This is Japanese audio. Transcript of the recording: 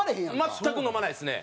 全く飲まないですね。